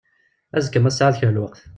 Azekka ma tesɛiḍ kra n lweqt.